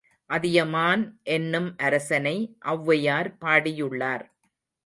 அதியமான் என்னும் அரசனை ஒளவையார் பாடியுள்ளார்.